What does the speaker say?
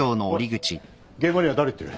現場には誰行ってる？